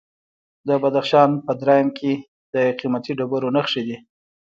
د بدخشان په درایم کې د قیمتي ډبرو نښې دي.